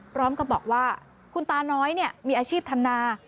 พร้อมกับบอกว่าคุณตาน้อยมีอาชีพทำนา